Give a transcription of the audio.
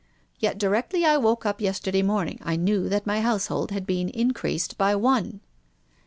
Yet directly I woke up yesterday morning I knew that my household had been in creased by one."